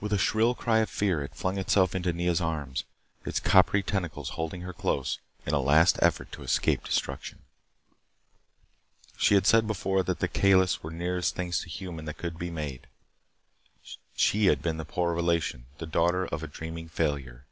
With a shrill cry of fear it flung itself into Nea's arms, its coppery tentacles holding her close in a last effort to escape destruction. She had said before that the Kalis were the nearest things to human that could be made. She had been the poor relation, the daughter of a dreaming failure.